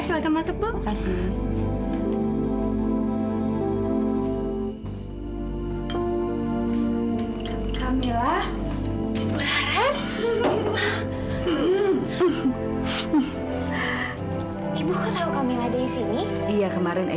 milah dapet surat dari butini